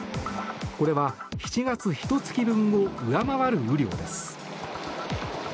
これは、７月ひと月分を上回る雨量です。